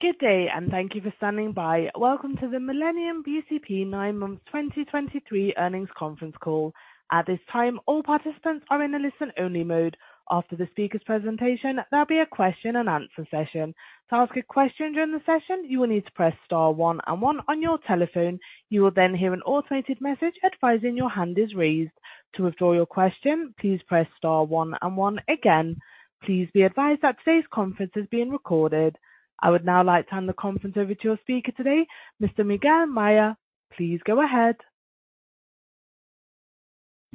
Good day, and thank you for standing by. Welcome to the Millennium bcp 9 Months 2023 Earnings Conference Call. At this time, all participants are in a listen-only mode. After the speaker's presentation, there'll be a question-and-answer session. To ask a question during the session, you will need to press star one and one on your telephone. You will then hear an automated message advising your hand is raised. To withdraw your question, please press star one and one again. Please be advised that today's conference is being recorded. I would now like to hand the conference over to our speaker today, Mr. Miguel Maya. Please go ahead.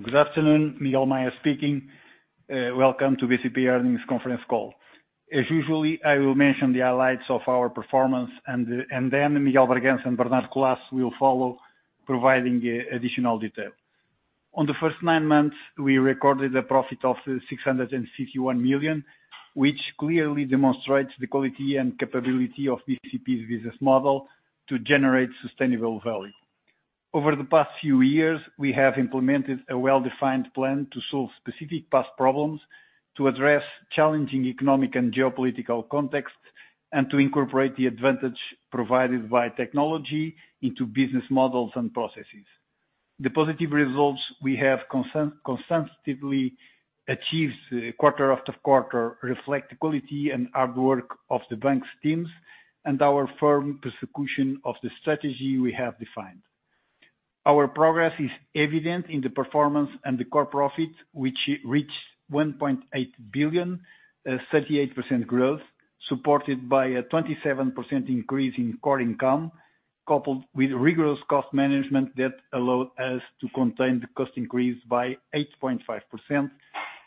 Good afternoon, Miguel Maya speaking. Welcome to BCP Earnings Conference Call. As usual, I will mention the highlights of our performance and the, and then Miguel de Bragança and Bernardo Collaço will follow, providing additional detail. On the first nine months, we recorded a profit of 651 million, which clearly demonstrates the quality and capability of BCP's business model to generate sustainable value. Over the past few years, we have implemented a well-defined plan to solve specific past problems, to address challenging economic and geopolitical context, and to incorporate the advantage provided by technology into business models and processes. The positive results we have consistently achieved quarter after quarter reflect the quality and hard work of the bank's teams and our firm pursuit of the strategy we have defined. Our progress is evident in the performance and the core profit, which reached 1.8 billion, 38% growth, supported by a 27% increase in core income, coupled with rigorous cost management that allowed us to contain the cost increase by 8.5%,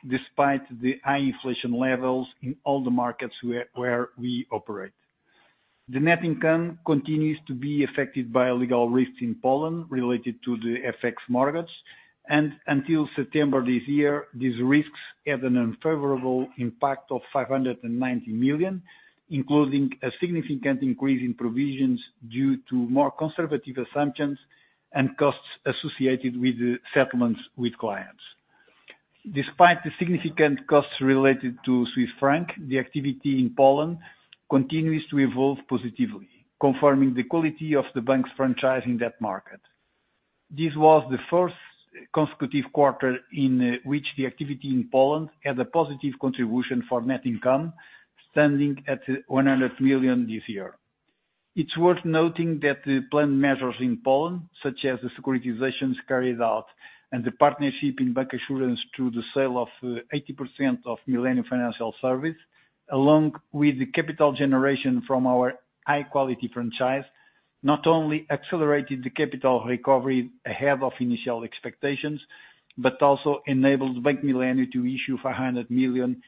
despite the high inflation levels in all the markets where we operate. The net income continues to be affected by legal risks in Poland related to the FX markets, and until September this year, these risks had an unfavorable impact of 590 million, including a significant increase in provisions due to more conservative assumptions and costs associated with the settlements with clients. Despite the significant costs related to Swiss franc, the activity in Poland continues to evolve positively, confirming the quality of the bank's franchise in that market. This was the first consecutive quarter in which the activity in Poland had a positive contribution for net income, standing at 100 million this year. It's worth noting that the planned measures in Poland, such as the securitizations carried out and the partnership in bancassurance through the sale of 80% of Millennium Financial Services, along with the capital generation from our high quality franchise, not only accelerated the capital recovery ahead of initial expectations, but also enabled Bank Millennium to issue 500 million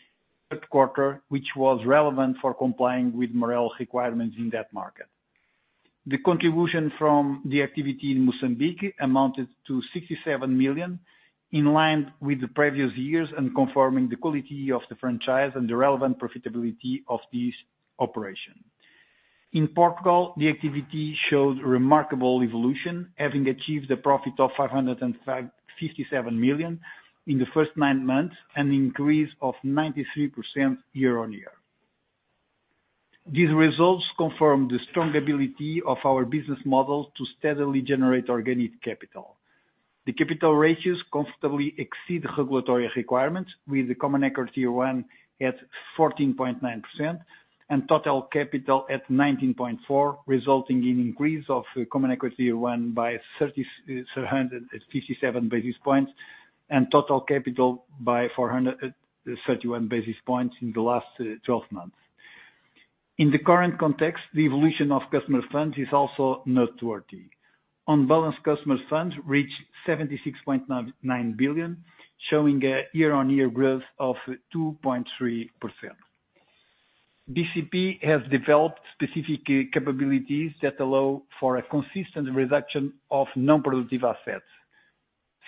third quarter, which was relevant for complying with MREL requirements in that market. The contribution from the activity in Mozambique amounted to 67 million, in line with the previous years and confirming the quality of the franchise and the relevant profitability of this operation. In Portugal, the activity showed remarkable evolution, having achieved a profit of 557 million in the first nine months and an increase of 93% year-on-year. These results confirm the strong ability of our business model to steadily generate organic capital. The capital ratios comfortably exceed regulatory requirements, with the Common Equity Tier 1 at 14.9% and total capital at 19.4%, resulting in increase of Common Equity Tier 1 by 337 basis points and total capital by 431 basis points in the last 12 months. In the current context, the evolution of customer funds is also noteworthy. On balance, customer funds reached 76.99 billion, showing a year-on-year growth of 2.3%. BCP has developed specific capabilities that allow for a consistent reduction of non-productive assets.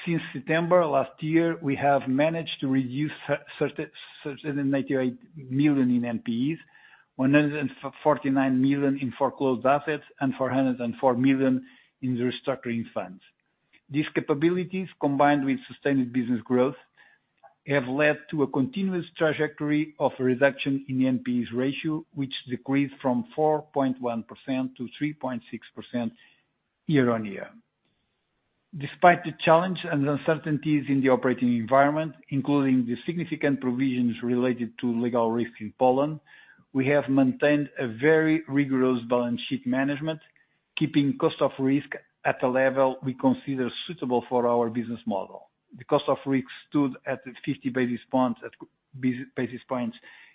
Since September last year, we have managed to reduce 3,398 million in NPEs, 149 million in foreclosed assets, and 404 million in restructuring funds. These capabilities, combined with sustained business growth, have led to a continuous trajectory of reduction in the NPEs ratio, which decreased from 4.1% to 3.6% year-on-year. Despite the challenge and uncertainties in the operating environment, including the significant provisions related to legal risk in Poland, we have maintained a very rigorous balance sheet management, keeping cost of risk at a level we consider suitable for our business model. The cost of risk stood at 50 basis points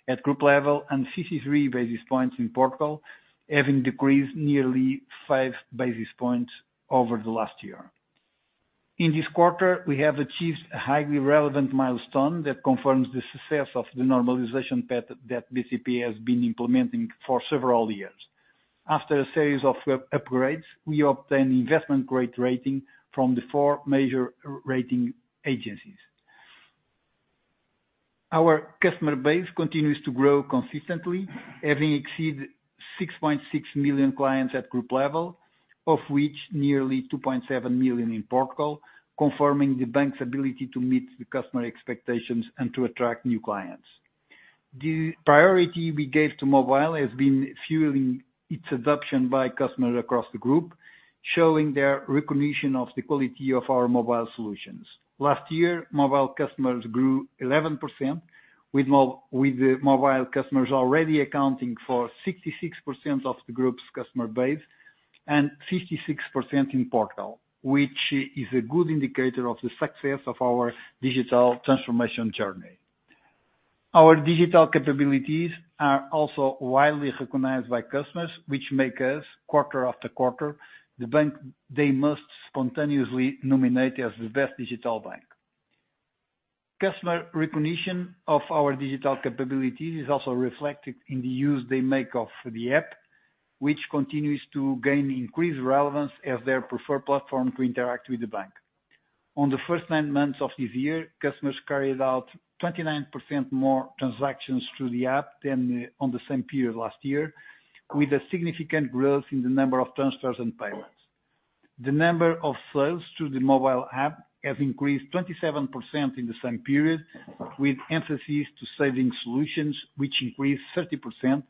at group level and 53 basis points in Portugal, having decreased nearly five basis points over the last year. In this quarter, we have achieved a highly relevant milestone that confirms the success of the normalization path that BCP has been implementing for several years. After a series of upgrades, we obtained investment grade rating from the four major rating agencies. Our customer base continues to grow consistently, having exceeded 6.6 million clients at group level, of which nearly 2.7 million in Portugal, confirming the bank's ability to meet the customer expectations and to attract new clients. The priority we gave to mobile has been fueling its adoption by customers across the group, showing their recognition of the quality of our mobile solutions. Last year, mobile customers grew 11%, with the mobile customers already accounting for 66% of the group's customer base and 56% in Portugal, which is a good indicator of the success of our digital transformation journey. Our digital capabilities are also widely recognized by customers, which make us, quarter after quarter, the bank they must spontaneously nominate as the best digital bank. Customer recognition of our digital capabilities is also reflected in the use they make of the app, which continues to gain increased relevance as their preferred platform to interact with the bank. On the first nine months of this year, customers carried out 29% more transactions through the app than on the same period last year, with a significant growth in the number of transfers and payments. The number of sales through the mobile app have increased 27% in the same period, with emphasis to saving solutions, which increased 30%,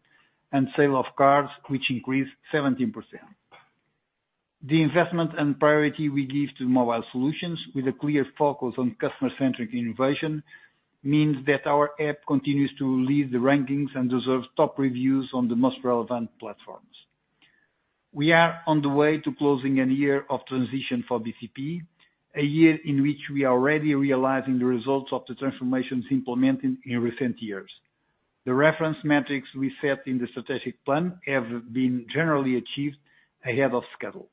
and sale of cars, which increased 17%. The investment and priority we give to mobile solutions with a clear focus on customer-centric innovation means that our app continues to lead the rankings and deserves top reviews on the most relevant platforms. We are on the way to closing a year of transition for BCP, a year in which we are already realizing the results of the transformations implemented in recent years. The reference metrics we set in the strategic plan have been generally achieved ahead of schedule.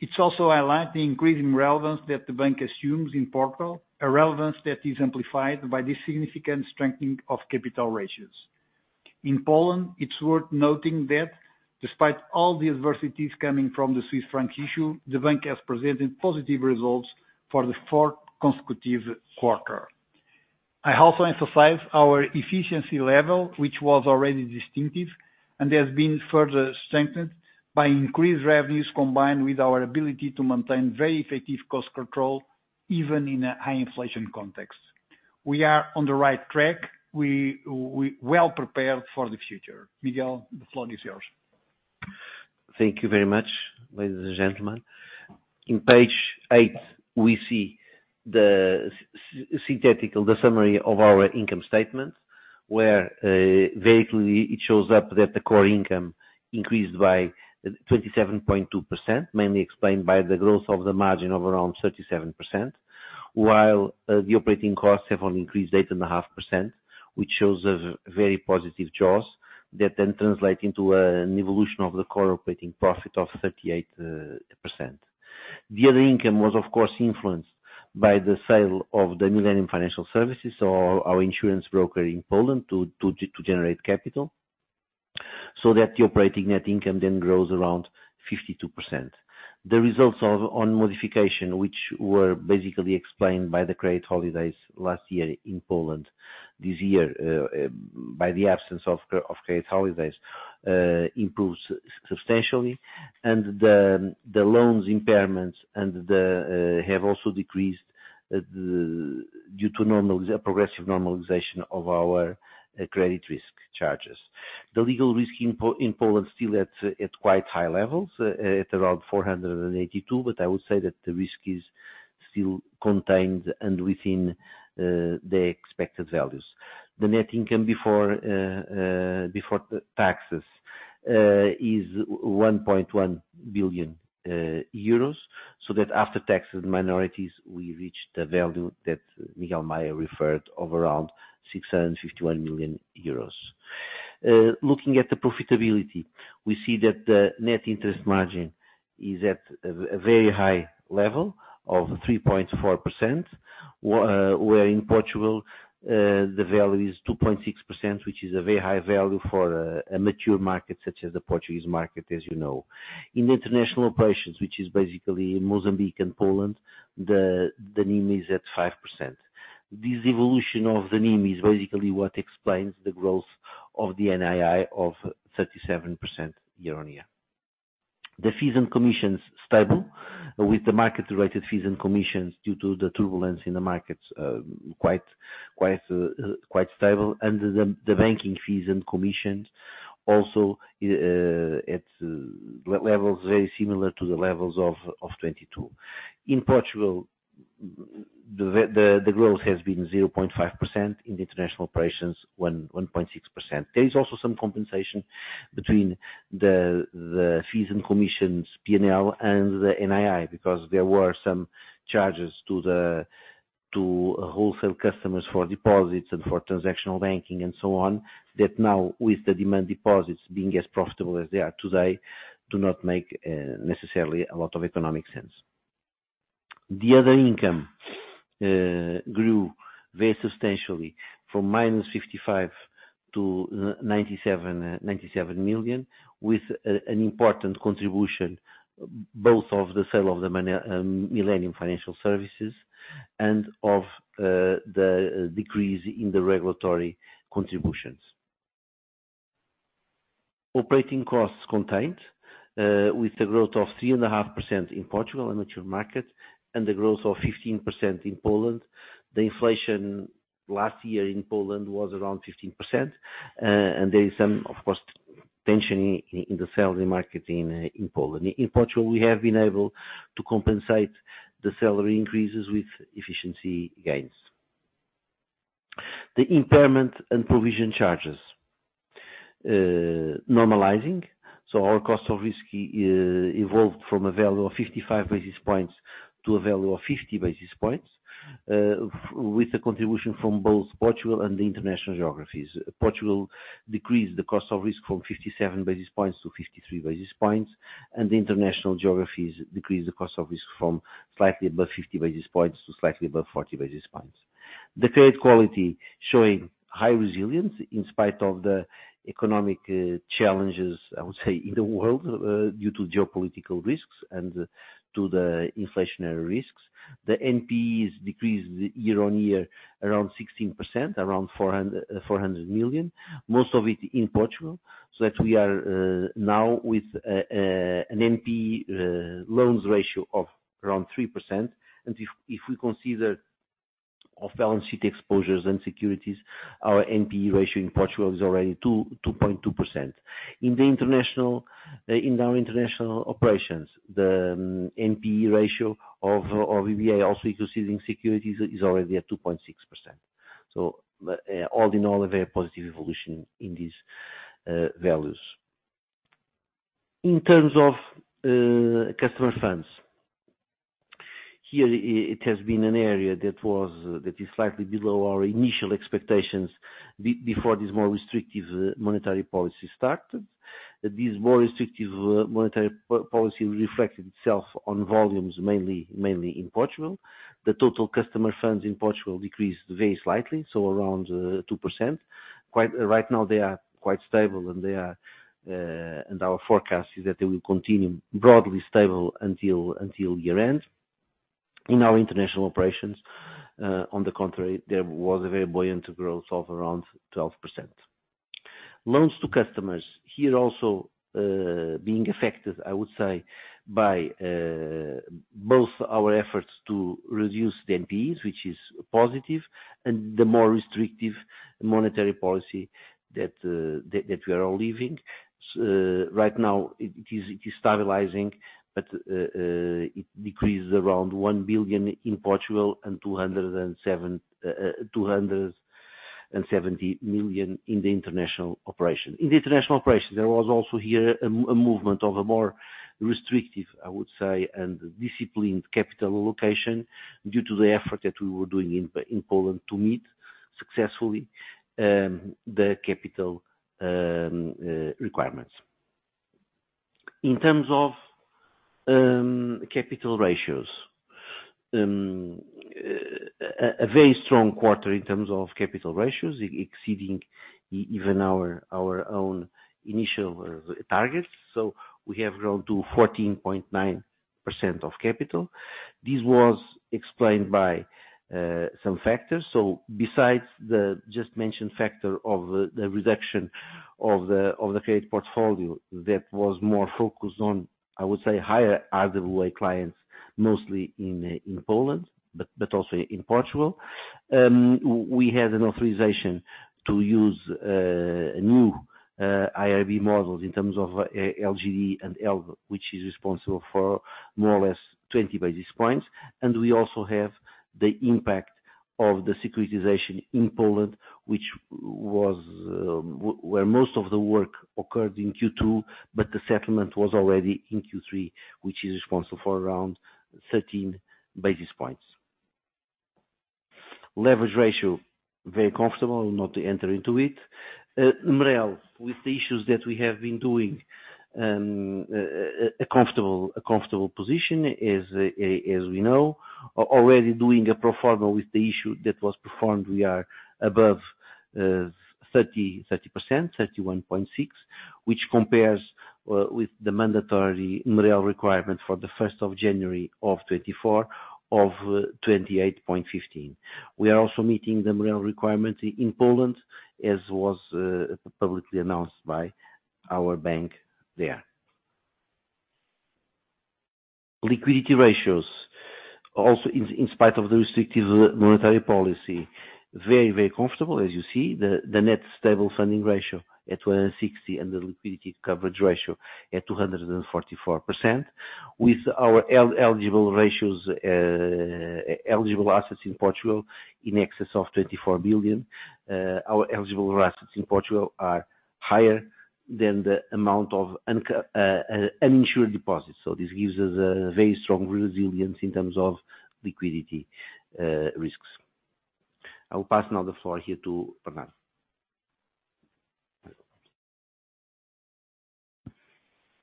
It's also highlight the increasing relevance that the bank assumes in Portugal, a relevance that is amplified by the significant strengthening of capital ratios. In Poland, it's worth noting that despite all the adversities coming from the Swiss franc issue, the bank has presented positive results for the fourth consecutive quarter. I also emphasize our efficiency level, which was already distinctive and has been further strengthened by increased revenues, combined with our ability to maintain very effective cost control, even in a high inflation context. We are on the right track. We're well prepared for the future. Miguel, the floor is yours. Thank you very much, ladies and gentlemen. On page eight, we see the synthetic summary of our income statement, where very clearly it shows that the core income increased by 27.2%, mainly explained by the growth of the margin of around 37%, while the operating costs have only increased 8.5%, which shows a very positive jaws that then translate into an evolution of the core operating profit of 38%. The other income was, of course, influenced by the sale of the Millennium Financial Services or our insurance broker in Poland to generate capital, so that the operating net income then grows around 52%. The results of NII modification, which were basically explained by the credit holidays last year in Poland, this year, by the absence of of credit holidays, improves substantially, and the loan impairments have also decreased, due to a progressive normalization of our credit risk charges. The legal risk in in Poland still at quite high levels, at around 482, but I would say that the risk is still contained and within the expected values. The net income before before taxes is 1.1 billion euros, so that after taxes, minorities, we reach the value that Miguel Maya referred of around 651 million euros. Looking at the profitability, we see that the net interest margin is at a very high level of 3.4%, where in Portugal, the value is 2.6%, which is a very high value for a mature market such as the Portuguese market, as you know. In international operations, which is basically Mozambique and Poland, the NIM is at five percent. This evolution of the NIM is basically what explains the growth of the NII of 37% year-on-year. The fees and commissions stable with the market-related fees and commissions due to the turbulence in the markets, quite stable, and the banking fees and commissions also at levels very similar to the levels of 2022. In Portugal, the growth has been 0.5%, in the international operations, 1.6%. There is also some compensation between the fees and commissions, P&L and the NII, because there were some charges to the wholesale customers for deposits and for transactional banking, and so on, that now, with the demand deposits being as profitable as they are today, do not make necessarily a lot of economic sense. The other income grew very substantially from -55 million to 97 million, with an important contribution, both of the sale of the Millennium Financial Services and of the decrease in the regulatory contributions. Operating costs contained with the growth of 3.5% in Portugal, a mature market, and the growth of 15% in Poland. The inflation last year in Poland was around 15%, and there is some, of course, tension in the salary market in Poland. In Portugal, we have been able to compensate the salary increases with efficiency gains. The impairment and provision charges normalizing, so our cost of risk evolved from a value of 55 basis points to a value of 50 basis points with the contribution from both Portugal and the international geographies. Portugal decreased the cost of risk from 57 basis points to 53 basis points, and the international geographies decreased the cost of risk from slightly above 50 basis points to slightly above 40 basis points. The credit quality showing high resilience in spite of the economic challenges, I would say, in the world due to geopolitical risks and to the inflationary risks. The NPEs decreased year-on-year, around 16%, around 400 million, most of it in Portugal, so that we are now with an NPE loans ratio of around three percent. And if we consider off-balance sheet exposures and securities, our NPE ratio in Portugal is already 2.2%. In our international operations, the NPE ratio of EBA, also considering securities, is already at 2.6%. So, all in all, a very positive evolution in these values. In terms of customer funds, here, it has been an area that was, that is slightly below our initial expectations before this more restrictive monetary policy started. This more restrictive monetary policy reflected itself on volumes, mainly in Portugal. The total customer funds in Portugal decreased very slightly, so around two percent. Right now, they are quite stable, and they are, and our forecast is that they will continue broadly stable until year-end. In our international operations, on the contrary, there was a very buoyant growth of around 12%. Loans to customers, here also, being affected, I would say, by both our efforts to reduce the NPEs, which is positive, and the more restrictive monetary policy that we are all living. Right now, it is stabilizing, but it decreases around 1 billion in Portugal and 270 million in the international operation. In the international operation, there was also here a movement of a more restrictive, I would say, and disciplined capital allocation due to the effort that we were doing in Poland to meet successfully the capital requirements. In terms of capital ratios, a very strong quarter in terms of capital ratios, exceeding even our own initial targets, so we have grown to 14.9% of capital. This was explained by some factors. So besides the just mentioned factor of the reduction of the credit portfolio, that was more focused on, I would say, higher RWA clients, mostly in Poland, but also in Portugal. We had an authorization to use new IRB models in terms of LGD and ELBE, which is responsible for more or less 20 basis points. We also have the impact of the securitization in Poland, which was where most of the work occurred in Q2, but the settlement was already in Q3, which is responsible for around 13 basis points. Leverage ratio, very comfortable, not to enter into it. MREL, with the issues that we have been doing, a comfortable position, as we know. Already doing a pro forma with the issue that was performed, we are above, 30%, 31.6%, which compares with the mandatory MREL requirement for 1st of January of 2024, of 28.15%. We are also meeting the MREL requirement in Poland, as was publicly announced by our bank there. Liquidity ratios, also in spite of the restrictive monetary policy, very, very comfortable. As you see, the net stable funding ratio at 160, and the liquidity coverage ratio at 244%. With our eligible ratios, eligible assets in Portugal in excess of 24 billion, our eligible assets in Portugal are higher than the amount of uninsured deposits. So this gives us a very strong resilience in terms of liquidity risks. I will pass now the floor here to Bernardo.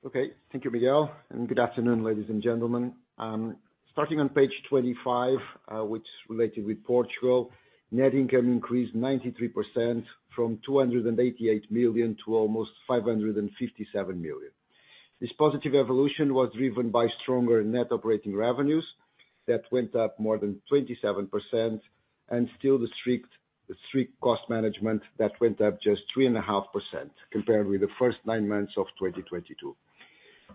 Okay. Thank you, Miguel, and good afternoon, ladies and gentlemen. Starting on page 25, which is related with Portugal, net income increased 93% from 288 million to almost 557 million. This positive evolution was driven by stronger net operating revenues that went up more than 27%, and still the strict, the strict cost management that went up just 3.5% compared with the first nine months of 2022.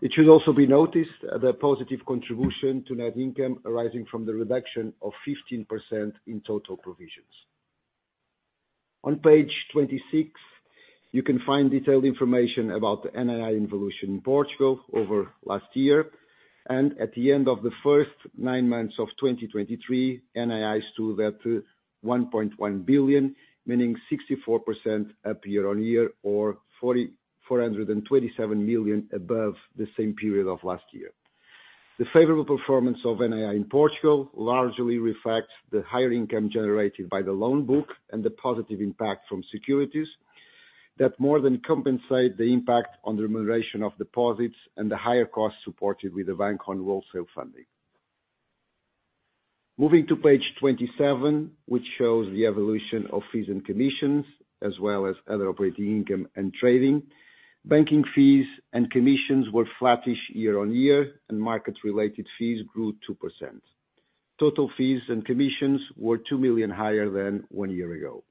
It should also be noticed, the positive contribution to net income arising from the reduction of 15% in total provisions. On page 26, you can find detailed information about the NII evolution in Portugal over last year, and at the end of the first nine months of 2023, NII stood at 1.1 billion, meaning 64% up year-on-year, or 427 million above the same period of last year. The favorable performance of NII in Portugal largely reflects the higher income generated by the loan book and the positive impact from securities, that more than compensate the impact on the remuneration of deposits and the higher costs supported with the Bank on wholesale funding. Moving to page 27, which shows the evolution of fees and commissions, as well as other operating income and trading. Banking fees and commissions were flattish year-on-year, and market-related fees grew two percent. Total fees and commissions were 2 million higher than one year ago.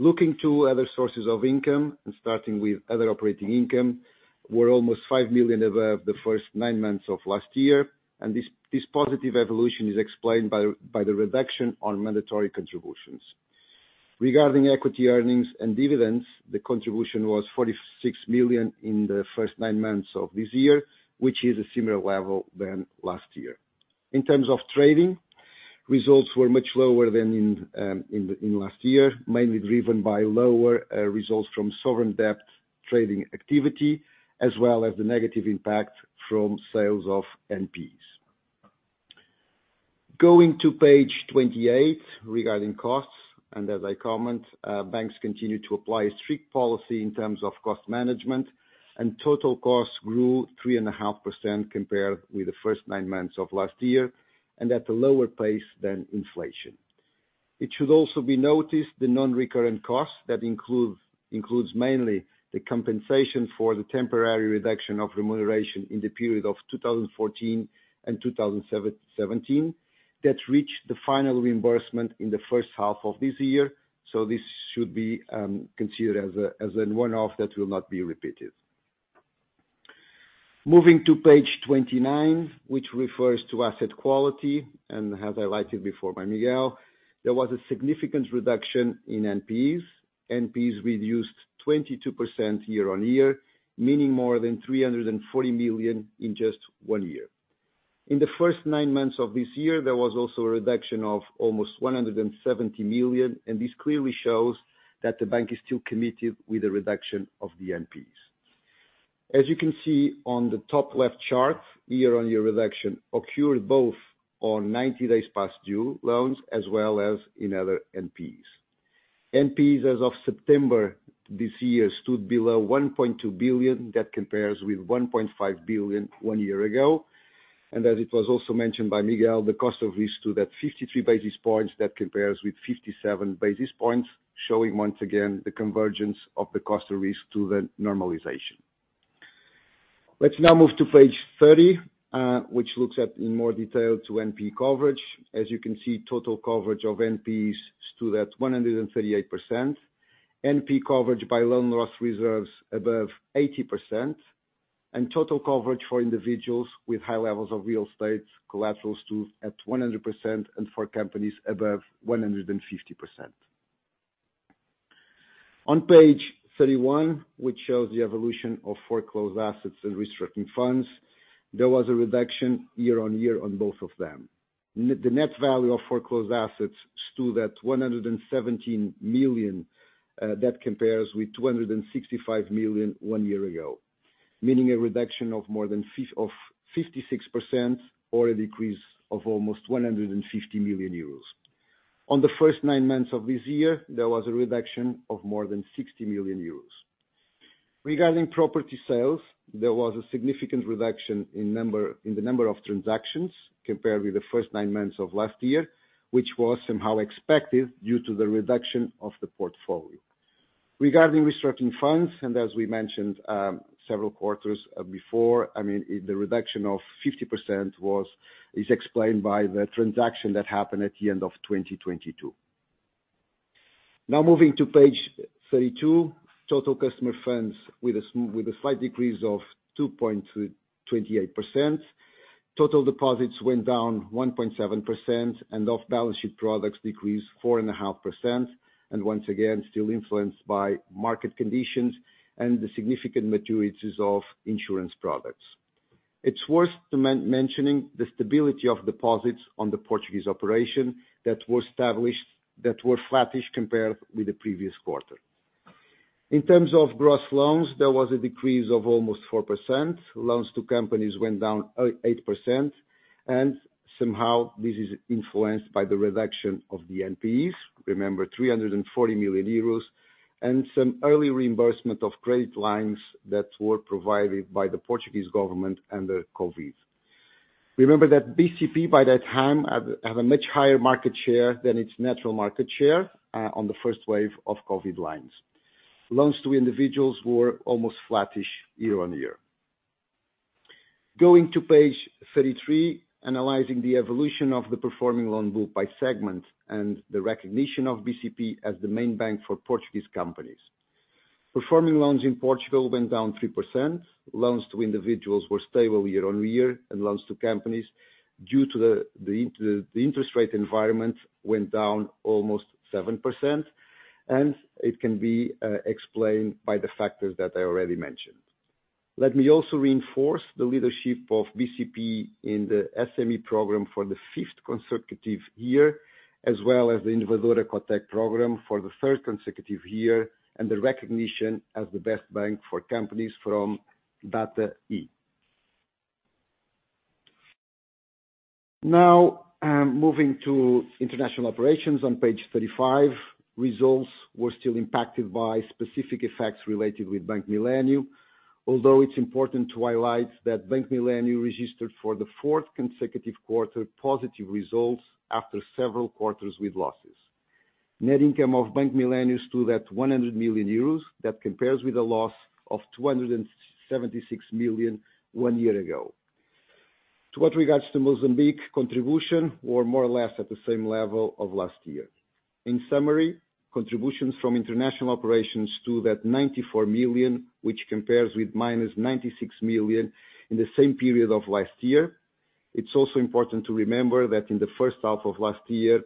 Looking to other sources of income, and starting with other operating income, were almost 5 million above the first nine months of last year, and this, this positive evolution is explained by, by the reduction on mandatory contributions. Regarding equity earnings and dividends, the contribution was 46 million in the first nine months of this year, which is a similar level than last year. In terms of trading, results were much lower than in last year, mainly driven by lower results from sovereign debt trading activity, as well as the negative impact from sales of NPEs. Going to page 28, regarding costs, and as I comment, banks continue to apply a strict policy in terms of cost management, and total costs grew 3.5% compared with the first nine months of last year, and at a lower pace than inflation. It should also be noticed, the non-recurrent costs, that includes mainly the compensation for the temporary reduction of remuneration in the period of 2014 and 2017, that reached the final reimbursement in the first half of this year, so this should be considered as a one-off that will not be repeated. Moving to page 29, which refers to asset quality, and as highlighted before by Miguel, there was a significant reduction in NPEs. NPEs reduced 22% year-on-year, meaning more than 340 million in just one year. In the first nine months of this year, there was also a reduction of almost 170 million, and this clearly shows that the bank is still committed with the reduction of the NPEs. As you can see on the top left chart, year-on-year reduction occurred both on 90 days past due loans, as well as in other NPEs. NPEs, as of September this year, stood below 1.2 billion. That compares with 1.5 billion one year ago. And as it was also mentioned by Miguel, the cost of risk stood at 53 basis points. That compares with 57 basis points, showing once again the convergence of the cost of risk to the normalization. Let's now move to page 30, which looks at in more detail to NP coverage. As you can see, total coverage of NPEs stood at 138%, NP coverage by loan loss reserves above 80%, and total coverage for individuals with high levels of real estate collaterals stood at 100%, and for companies above 150%. On page 31, which shows the evolution of foreclosed assets and restructuring funds, there was a reduction year-on-year on both of them. The net value of foreclosed assets stood at 117 million, that compares with 265 million one year ago, meaning a reduction of more than of 56% or a decrease of almost 150 million euros. On the first nine months of this year, there was a reduction of more than 60 million euros. Regarding property sales, there was a significant reduction in number, in the number of transactions compared with the first nine months of last year, which was somehow expected due to the reduction of the portfolio. Regarding restructuring funds, and as we mentioned, several quarters, before, I mean, the reduction of 50% was, is explained by the transaction that happened at the end of 2022. Now moving to page 32, total customer funds with a slight decrease of 2.28%. Total deposits went down 1.7%, and off-balance sheet products decreased 4.5%, and once again, still influenced by market conditions and the significant maturities of insurance products. It's worth mentioning the stability of deposits on the Portuguese operation that were established, that were flattish compared with the previous quarter. In terms of gross loans, there was a decrease of almost four percent. Loans to companies went down eight percent, and somehow this is influenced by the reduction of the NPEs. Remember, 340 million euros, and some early reimbursement of credit lines that were provided by the Portuguese government under COVID. Remember that BCP, by that time, had a much higher market share than its natural market share on the first wave of COVID lines. Loans to individuals were almost flattish year-on-year. Going to page 33, analyzing the evolution of the performing loan book by segment and the recognition of BCP as the main bank for Portuguese companies. Performing loans in Portugal went down three percent. Loans to individuals were stable year-over-year, and loans to companies, due to the interest rate environment, went down almost seven percent, and it can be explained by the factors that I already mentioned. Let me also reinforce the leadership of BCP in the SME program for the fifth consecutive year, as well as the Inovadora COTEC program for the third consecutive year, and the recognition as the best bank for companies from Data E. Now, moving to international operations on page 35, results were still impacted by specific effects related with Bank Millennium. Although it's important to highlight that Bank Millennium registered for the fourth consecutive quarter, positive results after several quarters with losses. Net income of Bank Millennium is still at 100 million euros. That compares with a loss of 276 million one year ago. With regard to Mozambique contribution, we're more or less at the same level of last year. In summary, contributions from international operations stood at 94 million, which compares with -96 million in the same period of last year. It's also important to remember that in the first half of last year,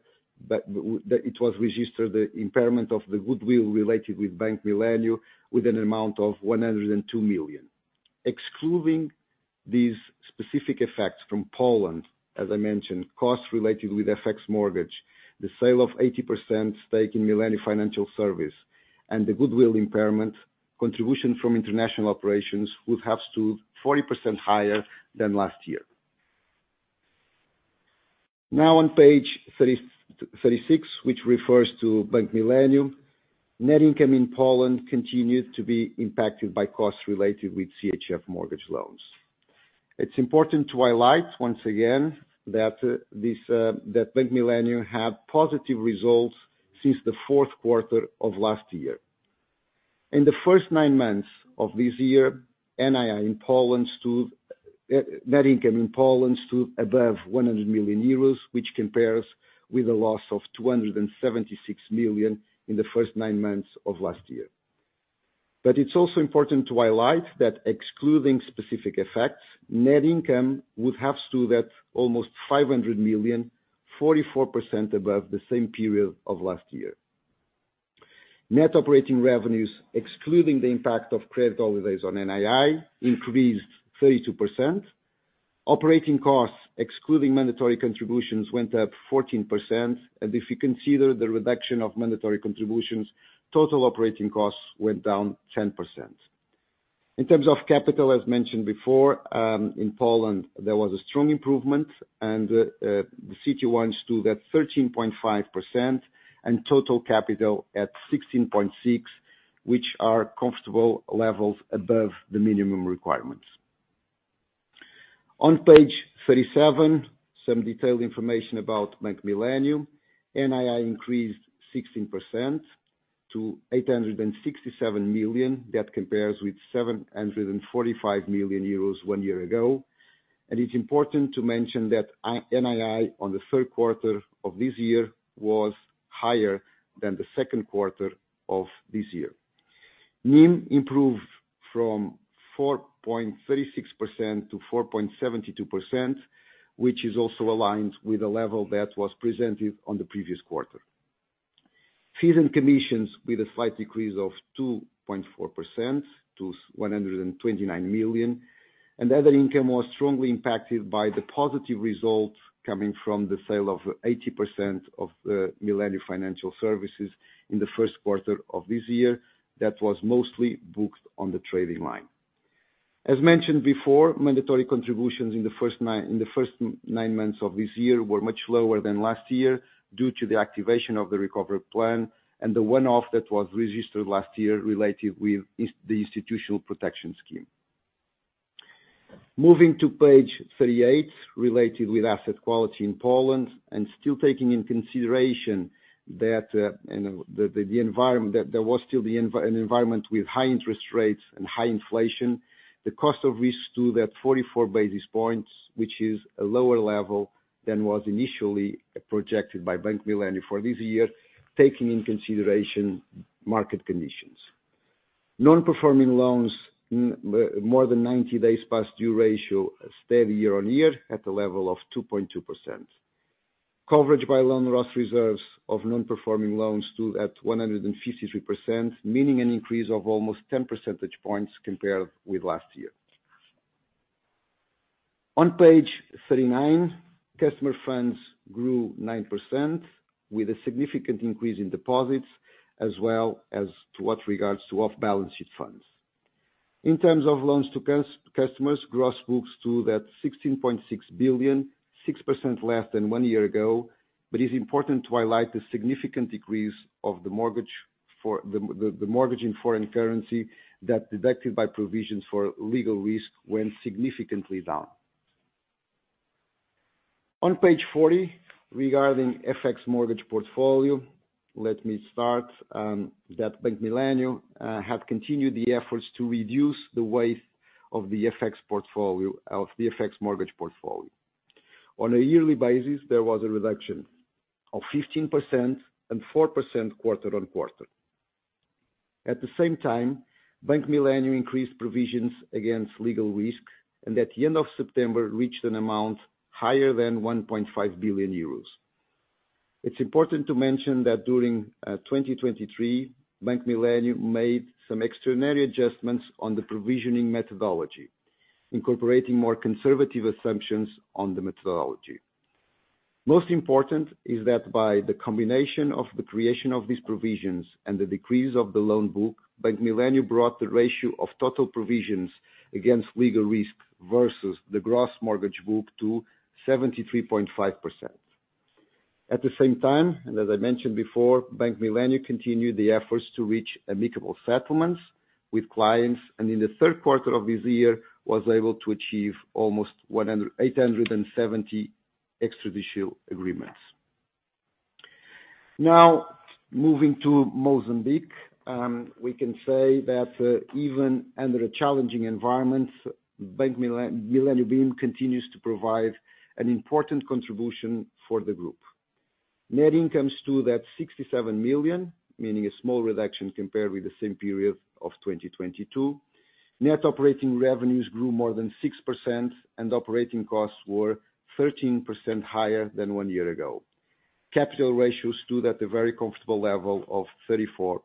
that it was registered, the impairment of the goodwill related with Bank Millennium, with an amount of 102 million. Excluding these specific effects from Poland, as I mentioned, costs related with FX mortgage, the sale of 80% stake in Millennium Financial Services, and the goodwill impairment, contribution from international operations would have stood 40% higher than last year. Now on page 36, which refers to Bank Millennium, net income in Poland continued to be impacted by costs related with CHF mortgage loans. It's important to highlight once again that Bank Millennium had positive results since the fourth quarter of last year. In the first nine months of this year, NII in Poland stood net income in Poland stood above 100 million euros, which compares with a loss of 276 million in the first nine months of last year. But it's also important to highlight that excluding specific effects, net income would have stood at almost 500 million, 44% above the same period of last year. Net operating revenues, excluding the impact of credit overlays on NII, increased 32%. Operating costs, excluding mandatory contributions, went up 14%, and if you consider the reduction of mandatory contributions, total operating costs went down 10%. In terms of capital, as mentioned before, in Poland, there was a strong improvement and, the CET1 stood at 13.5% and total capital at 16.6%, which are comfortable levels above the minimum requirements. On page 37, some detailed information about Bank Millennium. NII increased 16% to 867 million. That compares with 745 million euros one year ago. It's important to mention that NII on the third quarter of this year was higher than the second quarter of this year. NIM improved from 4.36% to 4.72%, which is also aligned with the level that was presented on the previous quarter. Fees and commissions with a slight decrease of 2.4% to 129 million, and other income was strongly impacted by the positive results coming from the sale of 80% of Millennium Financial Services in the first quarter of this year. That was mostly booked on the trading line. As mentioned before, mandatory contributions in the first nine months of this year were much lower than last year due to the activation of the recovery plan and the one-off that was registered last year related with the institutional protection scheme. Moving to page 38, related with asset quality in Poland, and still taking into consideration that there was still an environment with high interest rates and high inflation, the cost of risk stood at 44 basis points, which is a lower level than was initially projected by Bank Millennium for this year, taking into consideration market conditions. Non-performing loans, more than ninety days past due ratio, steady year-on-year, at a level of 2.2%. Coverage by loan loss reserves of non-performing loans stood at 153%, meaning an increase of almost 10 percentage points compared with last year. On page 39, customer funds grew nine percent with a significant increase in deposits, as well as to what regards to off-balance sheet funds. In terms of loans to customers, gross books stood at 16.6 billion, six percent less than one year ago, but it's important to highlight the significant decrease of the mortgage in foreign currency, that deducted by provisions for legal risk, went significantly down. On page 40, regarding FX mortgage portfolio, let me start that Bank Millennium have continued the efforts to reduce the weight of the FX portfolio, of the FX mortgage portfolio. On a yearly basis, there was a reduction of 15% and four percent quarter-on-quarter. At the same time, Bank Millennium increased provisions against legal risk, and at the end of September, reached an amount higher than 1.5 billion euros. It's important to mention that during 2023, Bank Millennium made some extraordinary adjustments on the provisioning methodology, incorporating more conservative assumptions on the methodology. Most important is that by the combination of the creation of these provisions and the decrease of the loan book, Bank Millennium brought the ratio of total provisions against legal risk versus the gross mortgage book to 73.5%. At the same time, and as I mentioned before, Bank Millennium continued the efforts to reach amicable settlements with clients, and in the third quarter of this year was able to achieve almost 180 extrajudicial agreements. Now, moving to Mozambique, we can say that even under a challenging environment, Millennium bim continues to provide an important contribution for the group. Net income to 67 million, meaning a small reduction compared with the same period of 2022. Net operating revenues grew more than six percent, and operating costs were 13% higher than one year ago. Capital ratios stood at a very comfortable level of 34%.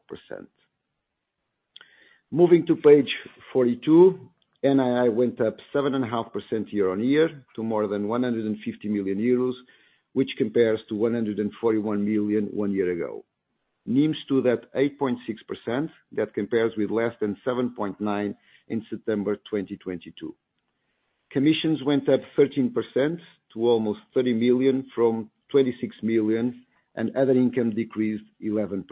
Moving to page 42, NII went up 7.5% year-on-year, to more than 150 million euros, which compares to 141 million one year ago. NIM stood at 8.6%. That compares with less than 7.9% in September 2022. Commissions went up 13% to almost 30 million from 26 million, and other income decreased 11%.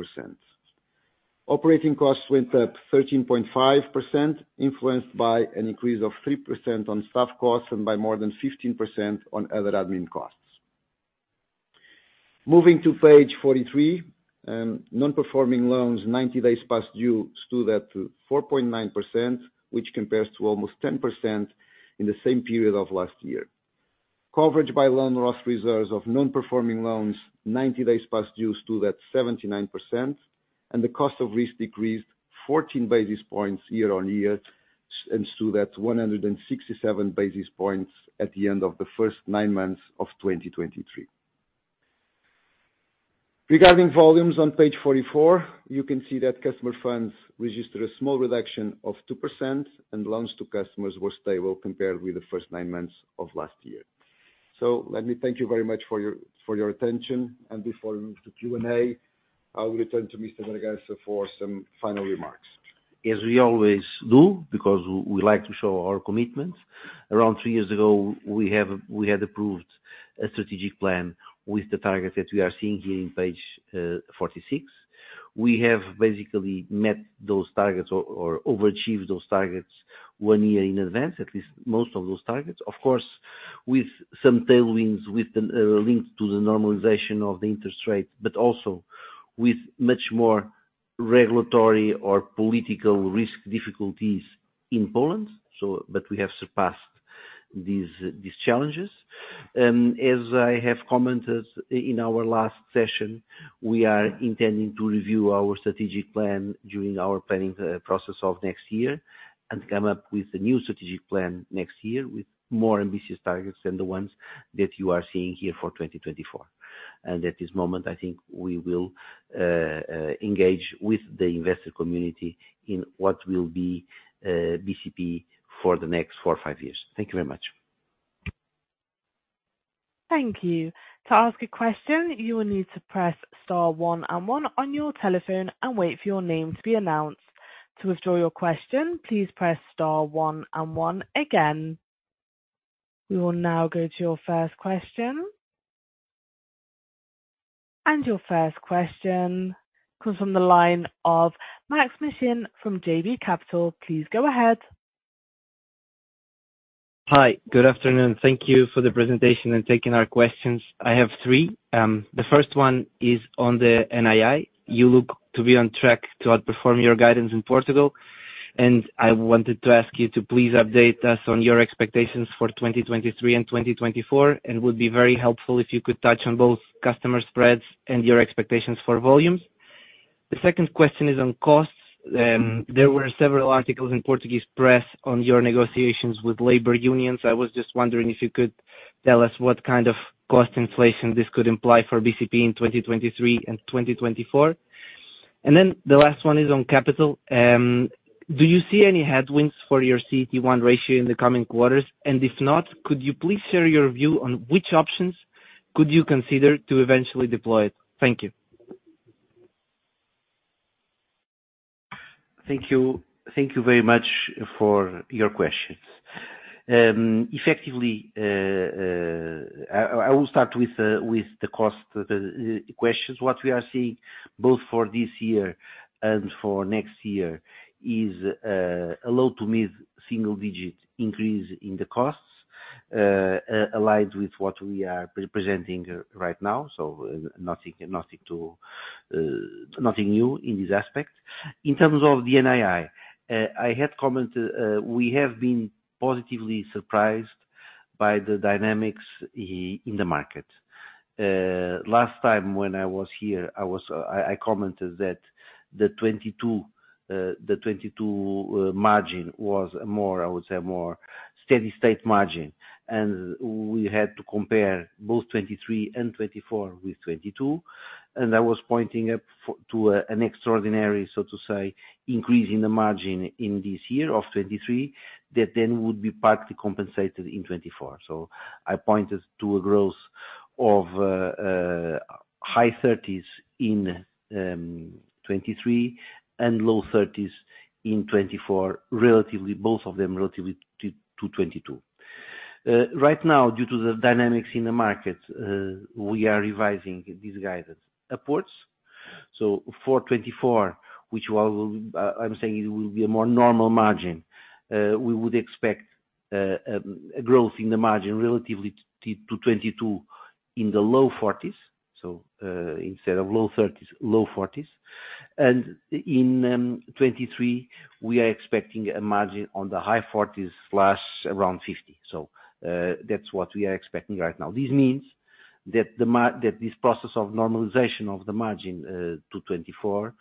Operating costs went up 13.5%, influenced by an increase of three percent on staff costs and by more than 15% on other admin costs. Moving to page 43, non-performing loans, 90 days past due, stood at 4.9%, which compares to almost 10% in the same period of last year. Coverage by loan loss reserves of non-performing loans, 90 days past due, stood at 79%, and the cost of risk decreased 14 basis points year-over-year, and stood at 167 basis points at the end of the first nine months of 2023. Regarding volumes on page 44, you can see that customer funds registered a small reduction of two percent, and loans to customers were stable compared with the first nine months of last year. So let me thank you very much for your, for your attention. And before we move to Q&A, I will return to Mr. Braganca for some final remarks. As we always do, because we like to show our commitment, around three years ago, we have, we had approved a strategic plan with the target that we are seeing here in page 46. We have basically met those targets or overachieved those targets one year in advance, at least most of those targets. Of course, with some tailwinds, with the link to the normalization of the interest rate, but also with much more regulatory or political risk difficulties in Poland, but we have surpassed these challenges. As I have commented in our last session, we are intending to review our strategic plan during our planning process of next year, and come up with a new strategic plan next year, with more ambitious targets than the ones that you are seeing here for 2024. At this moment, I think we will engage with the investor community in what will be BCP for the next four or five years. Thank you very much. Thank you. To ask a question, you will need to press star one and one on your telephone and wait for your name to be announced. To withdraw your question, please press star one and one again. We will now go to your first question. Your first question comes from the line of Maks Mishyn from JB Capital. Please go ahead. Hi, good afternoon. Thank you for the presentation and taking our questions. I have three. The first one is on the NII. You look to be on track to outperform your guidance in Portugal, and I wanted to ask you to please update us on your expectations for 2023 and 2024. Would be very helpful if you could touch on both customer spreads and your expectations for volume. The second question is on costs. There were several articles in Portuguese press on your negotiations with labor unions. I was just wondering if you could tell us what kind of cost inflation this could imply for BCP in 2023 and 2024? Then the last one is on capital. Do you see any headwinds for your CET1 ratio in the coming quarters? If not, could you please share your view on which options could you consider to eventually deploy it? Thank you. Thank you, thank you very much for your questions. Effectively, I will start with the cost questions. What we are seeing both for this year and for next year is a low to mid-single digit increase in the costs, aligned with what we are presenting right now. So nothing, nothing to nothing new in this aspect. In terms of the NII, I had commented, we have been positively surprised by the dynamics in the market. Last time when I was here, I commented that the 2022, the 2022 margin was more, I would say, more steady state margin, and we had to compare both 2023 and 2024 with 2022. I was pointing out for, to, an extraordinary, so to say, increase in the margin in this year of 2023, that then would be partly compensated in 2024. I pointed to a growth of high 30s in 2023 and low 30s in 2024, relatively, both of them relatively to 2022. Right now, due to the dynamics in the market, we are revising this guidance upwards. For 2024, which will, I'm saying it will be a more normal margin, we would expect a growth in the margin relatively to 2022 in the low 40s. Instead of low 30s, low 40s. In 2023, we are expecting a margin on the high 40s, plus around 50. That's what we are expecting right now. This means that this process of normalization of the margin to 2024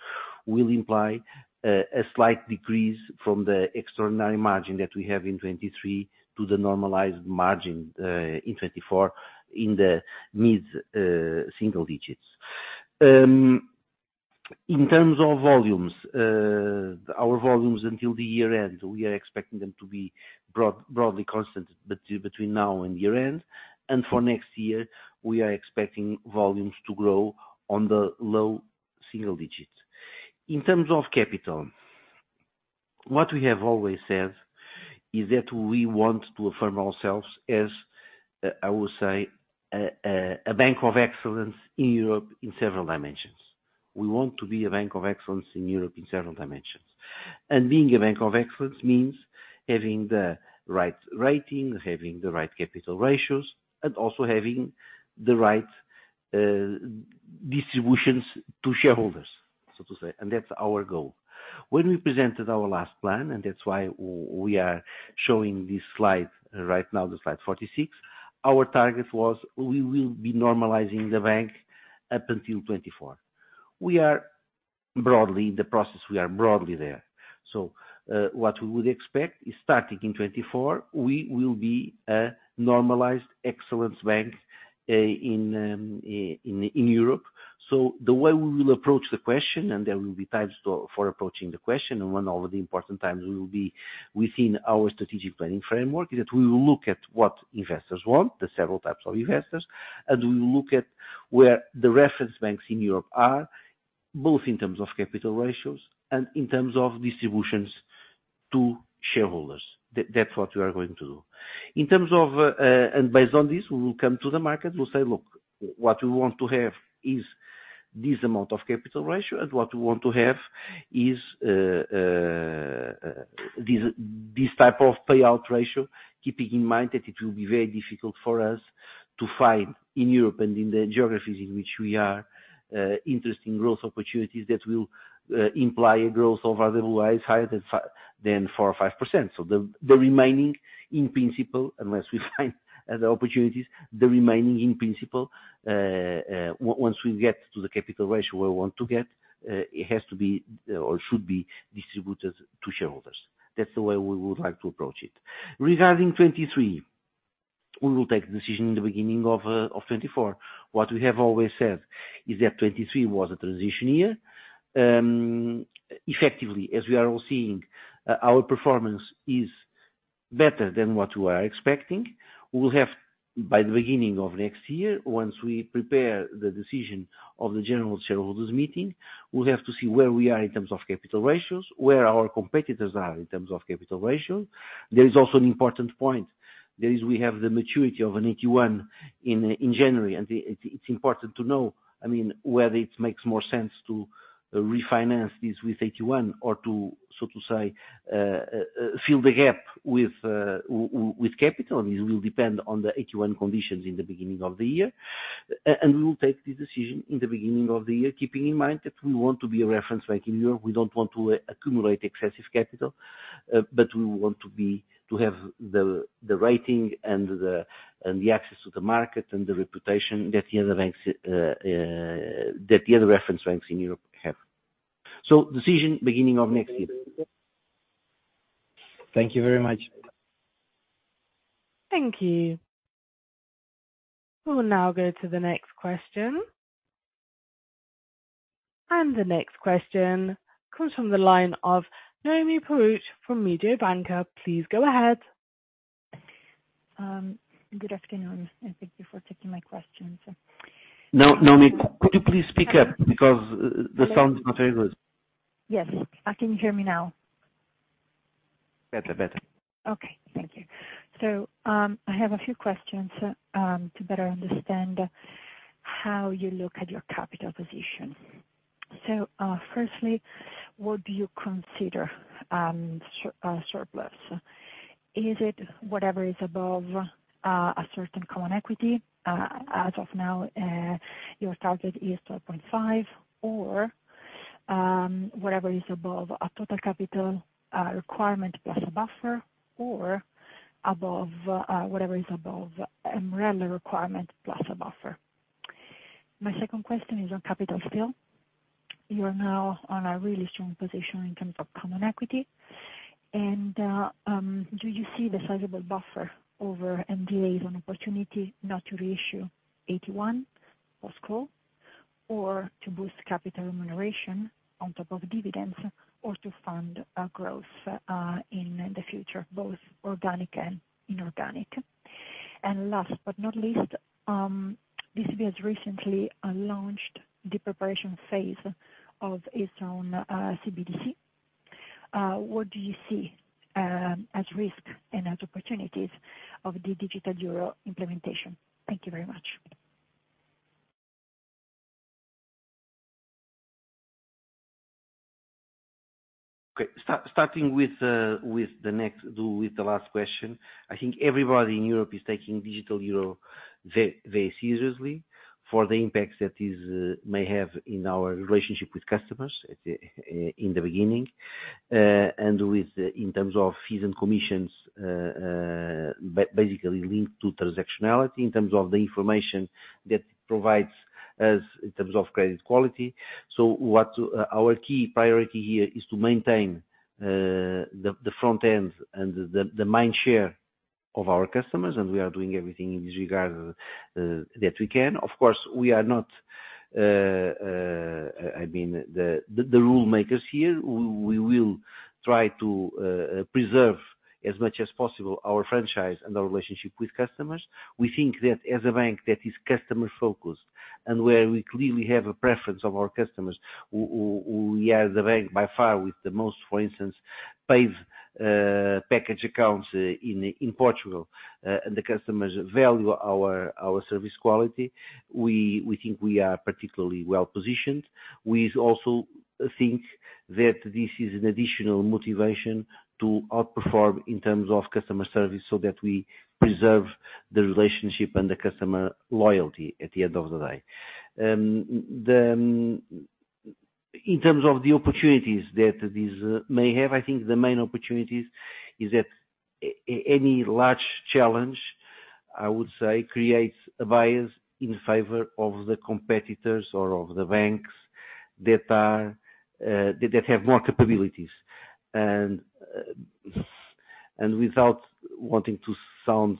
will imply a slight decrease from the extraordinary margin that we have in 2023 to the normalized margin in 2024 in the mid-single digits. In terms of volumes, our volumes until the year-end, we are expecting them to be broadly constant between now and year-end, and for next year we are expecting volumes to grow in the low-single digits. In terms of capital, what we have always said is that we want to affirm ourselves as, I would say, a bank of excellence in Europe in several dimensions. We want to be a bank of excellence in Europe in several dimensions. Being a bank of excellence means having the right rating, having the right capital ratios, and also having the right distributions to shareholders, so to say, and that's our goal. When we presented our last plan, and that's why we are showing this slide right now, the slide 46, our target was we will be normalizing the bank up until 2024. We are broadly in the process, we are broadly there. So, what we would expect is starting in 2024, we will be a normalized excellence bank, in Europe. So the way we will approach the question, and there will be times for approaching the question, and one of the important times will be within our strategic planning framework, is that we will look at what investors want, the several types of investors, and we will look at where the reference banks in Europe are, both in terms of capital ratios and in terms of distributions to shareholders. That, that's what we are going to do. In terms of and based on this, we will come to the market, we'll say, "Look, what we want to have is this amount of capital ratio, and what we want to have is this, this type of payout ratio," keeping in mind that it will be very difficult for us to find in Europe and in the geographies in which we are interesting growth opportunities that will imply a growth of otherwise higher than four or five percent. So the, the remaining, in principle, unless we find other opportunities, the remaining, in principle, once we get to the capital ratio we want to get, it has to be, or should be distributed to shareholders. That's the way we would like to approach it. Regarding 2023, we will take the decision in the beginning of 2024. What we have always said is that 2023 was a transition year. Effectively, as we are all seeing, our performance is better than what we were expecting. We will have, by the beginning of next year, once we prepare the decision of the general shareholders meeting, we'll have to see where we are in terms of capital ratios, where our competitors are in terms of capital ratio. There is also an important point. We have the maturity of an AT1 in January, and it's important to know, I mean, whether it makes more sense to refinance this with AT1 or to, so to say, fill the gap with capital. It will depend on the AT1 conditions in the beginning of the year. And we will take the decision in the beginning of the year, keeping in mind that we want to be a reference bank in Europe. We don't want to accumulate excessive capital, but we want to have the rating and the access to the market, and the reputation that the other banks that the other reference banks in Europe have. So decision, beginning of next year. Thank you very much. Thank you. We'll now go to the next question. The next question comes from the line of Noemi Peruch from Mediobanca. Please go ahead. Good afternoon, and thank you for taking my questions. Noemi, could you please speak up because the sound is not very good? Yes. Can you hear me now? Better, better. Okay. Thank you. So, I have a few questions to better understand how you look at your capital position. Firstly, what do you consider surplus? Is it whatever is above a certain common equity, as of now your target is 12.5, or whatever is above a total capital requirement, plus a buffer, or above whatever is above MREL requirement, plus a buffer? My second question is on capital still. You are now on a really strong position in terms of common equity, and do you see the sizable buffer over MDA as an opportunity not to reissue AT1 post call, or to boost capital remuneration on top of dividends, or to fund growth in the future, both organic and inorganic? Last but not least, BCP has recently launched the preparation phase of its own CBDC. What do you see as risk and as opportunities of the digital euro implementation? Thank you very much. Okay. Starting with the next, with the last question. I think everybody in Europe is taking digital euro very seriously for the impacts that this may have in our relationship with customers, at, in the beginning. And with, in terms of fees and commissions, basically linked to transactionality, in terms of the information that provides us in terms of credit quality. So what our key priority here is to maintain the front end and the mind share of our customers, and we are doing everything in this regard that we can. Of course, we are not, I mean, the rule makers here. We will try to preserve as much as possible our franchise and our relationship with customers. We think that as a bank that is customer-focused and where we clearly have a preference of our customers, we are the bank, by far, with the most, for instance, paid package accounts, in Portugal, and the customers value our service quality. We think we are particularly well positioned. We also think that this is an additional motivation to outperform in terms of customer service, so that we preserve the relationship and the customer loyalty at the end of the day. In terms of the opportunities that this may have, I think the main opportunities is that any large challenge, I would say, creates a bias in favor of the competitors or of the banks that are that have more capabilities. Without wanting to sound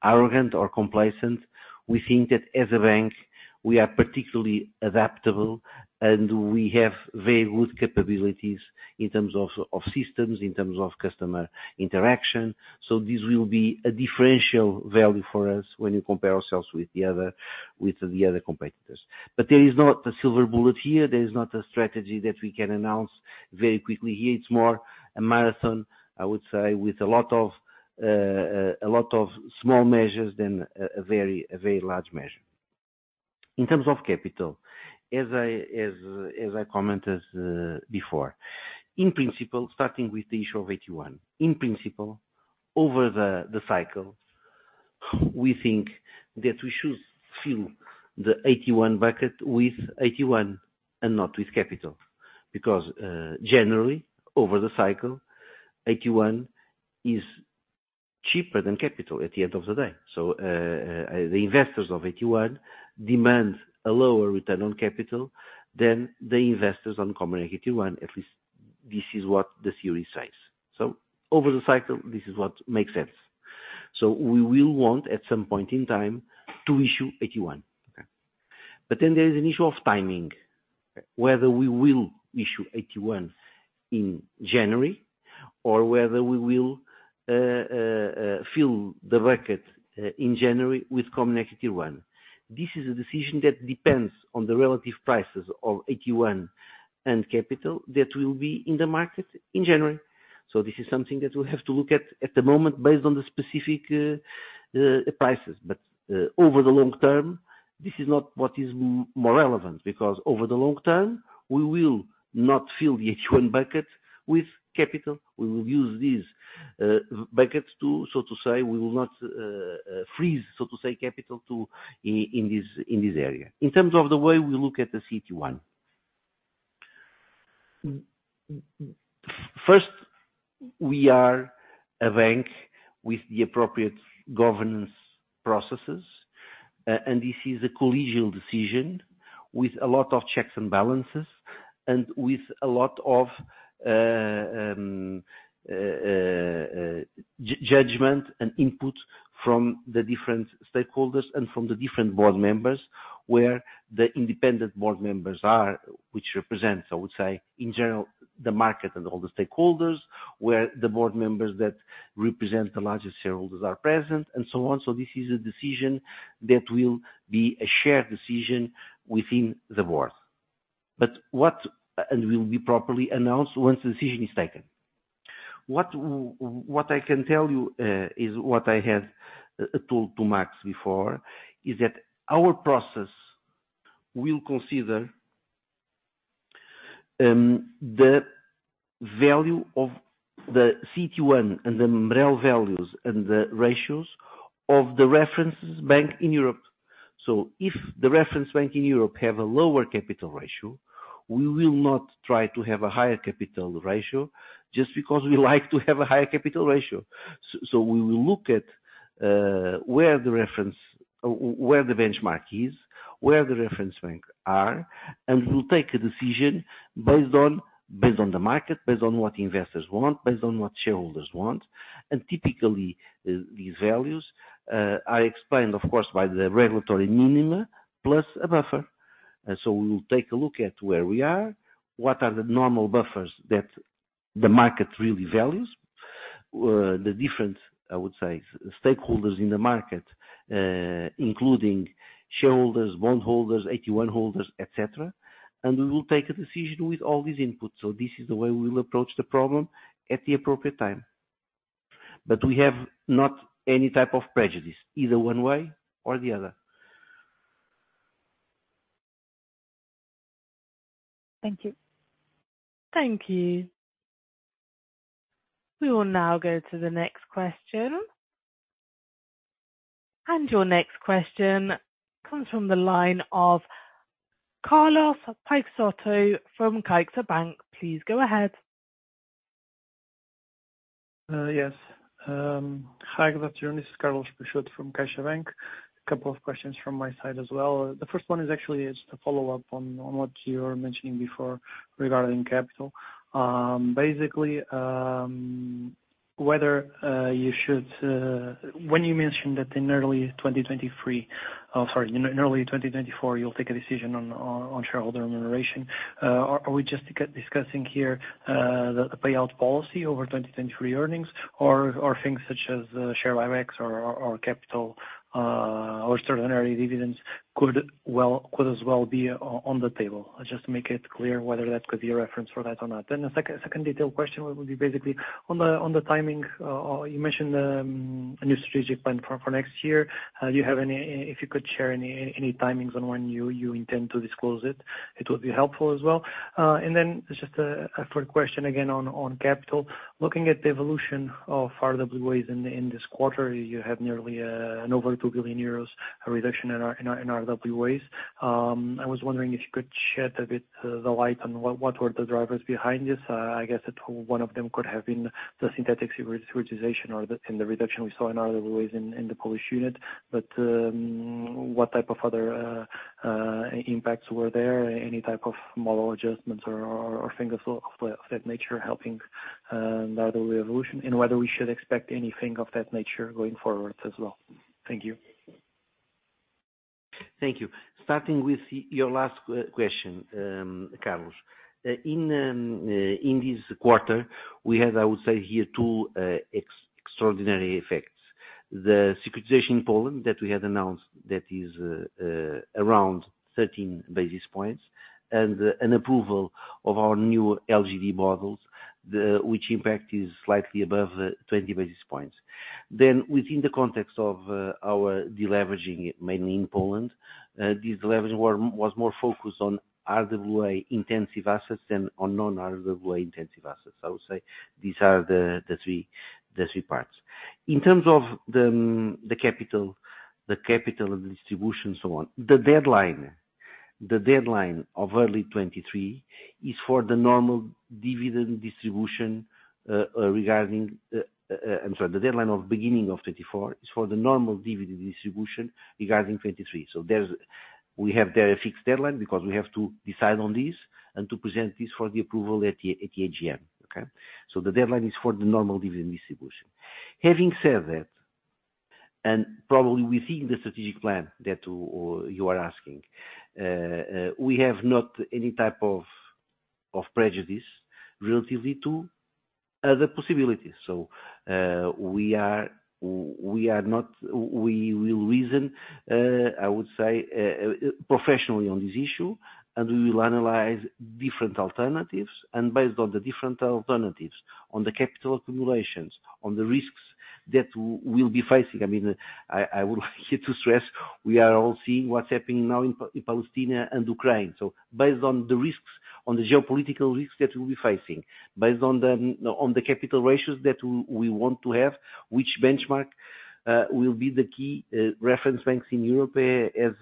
arrogant or complacent, we think that as a bank, we are particularly adaptable, and we have very good capabilities in terms of systems, in terms of customer interaction. So this will be a differential value for us when you compare ourselves with the other competitors. But there is not a silver bullet here. There is not a strategy that we can announce very quickly here. It's more a marathon, I would say, with a lot of a lot of small measures than a very large measure. In terms of capital, as I as I commented before, in principle, starting with the issue of AT1. In principle, over the cycle, we think that we should fill the AT1 bucket with AT1 and not with capital, because, generally, over the cycle, AT1 is cheaper than capital at the end of the day. So, the investors of AT1 demand a lower return on capital than the investors on common AT1. At least this is what the theory says. So over the cycle, this is what makes sense. So we will want, at some point in time, to issue AT1. But then there is an issue of timing, whether we will issue AT1 in January, or whether we will, fill the bucket, in January with common AT1. This is a decision that depends on the relative prices of AT1 and capital that will be in the market in January. So this is something that we have to look at, at the moment, based on the specific prices. But over the long term, this is not what is more relevant, because over the long term, we will not fill the AT1 bucket with capital. We will use these buckets to, so to say, we will not freeze, so to say, capital in this area. In terms of the way we look at the CET1. First, we are a bank with the appropriate governance processes, and this is a collegial decision with a lot of checks and balances, and with a lot of judgment and input from the different stakeholders and from the different board members, where the independent board members are, which represents, I would say, in general the market and all the stakeholders, where the board members that represent the largest shareholders are present, and so on. So this is a decision that will be a shared decision within the board. And will be properly announced once the decision is taken. What I can tell you is what I had told to Maks before, is that our process will consider the value of the CET1 and the MREL values, and the ratios of the reference banks in Europe. So if the reference bank in Europe have a lower capital ratio, we will not try to have a higher capital ratio, just because we like to have a higher capital ratio. So we will look at where the reference, where the benchmark is, where the reference bank are, and we will take a decision based on, based on the market, based on what investors want, based on what shareholders want. And typically, these values are explained, of course, by the regulatory minimum, plus a buffer. And so we will take a look at where we are, what are the normal buffers that the market really values. The different, I would say, stakeholders in the market, including shareholders, bondholders, AT1 holders, et cetera, and we will take a decision with all these inputs. So this is the way we will approach the problem at the appropriate time. But we have not any type of prejudice, either one way or the other. Thank you. Thank you. We will now go to the next question. Your next question comes from the line of Carlos Peixoto from CaixaBank. Please go ahead. Yes. Hi, good afternoon, this is Carlos Peixoto from CaixaBank. A couple of questions from my side as well. The first one is actually just a follow-up on what you were mentioning before regarding capital. Basically, whether you should, when you mentioned that in early 2023, sorry, in early 2024, you'll take a decision on shareholder remuneration. Are we just discussing here the payout policy over 2023 earnings, or things such as share buybacks or capital or extraordinary dividends could well as well be on the table? Just to make it clear whether that could be a reference for that or not. Then the second detailed question would be basically on the timing. You mentioned a new strategic plan for next year. Do you have any, if you could share any timings on when you intend to disclose it, it would be helpful as well. And then just a third question again on capital. Looking at the evolution of RWAs in this quarter, you have nearly over 2 billion euros, a reduction in our RWAs. I was wondering if you could shed a bit the light on what were the drivers behind this. I guess that one of them could have been the synthetic securitization or the and the reduction we saw in other ways in the Polish unit. But what type of other impacts were there? Any type of model adjustments or things of that nature helping the RWA evolution, and whether we should expect anything of that nature going forward as well? Thank you. Thank you. Starting with your last question, Carlos. In this quarter, we had, I would say here, two extraordinary effects. The securitization in Poland that we had announced, that is, around 13 basis points, and an approval of our new LGD models, which impact is slightly above 20 basis points. Then within the context of our deleveraging, mainly in Poland, this leverage was more focused on RWA intensive assets than on non-RWA intensive assets. I would say these are the three parts. In terms of the capital and distribution, so on. The deadline of early 2023 is for the normal dividend distribution, regarding, I'm sorry, the deadline of beginning of 2024 is for the normal dividend distribution regarding 2023. So there's, we have there a fixed deadline, because we have to decide on this, and to present this for the approval at the AGM. Okay? So the deadline is for the normal dividend distribution. Having said that, and probably within the strategic plan that you are asking, we have not any type of prejudice relatively to other possibilities. So, we are, we are not, we will reason, I would say, professionally on this issue, and we will analyze different alternatives, and based on the different alternatives, on the capital accumulations, on the risks that we'll be facing. I mean, I would like here to stress, we are all seeing what's happening now in Palestine and Ukraine. So based on the risks, on the geopolitical risks that we'll be facing, based on the, on the capital ratios that we want to have, which benchmark will be the key reference banks in Europe, as